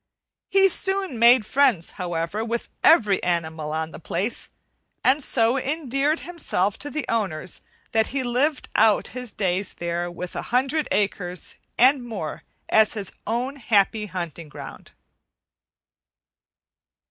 He soon made friends, however, with every animal on the place, and so endeared himself to the owners that he lived out his days there with a hundred acres and more as his own happy hunting ground.